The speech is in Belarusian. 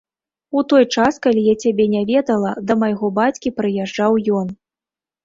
У той час, калі я цябе не ведала, да майго бацькі прыязджаў ён.